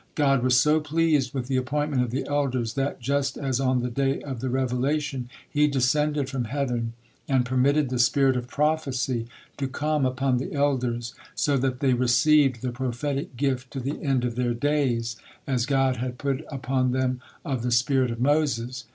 God was so pleased with the appointment of the elders that, just as on the day of the revelation, He descended from heaven and permitted the spirit of prophecy to come upon the elders, so that they received the prophetic gift to the end of their days, as God had put upon them of the spirit of Moses.